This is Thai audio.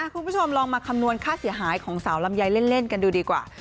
คุณผู้ชมลองมาคำนวณค่าเสียหายของสาวลำไยเล่นกันดูดีกว่า